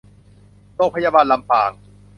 โรงพยาบาลลำปาง